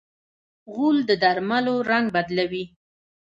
غول د درملو رنګ بدلوي.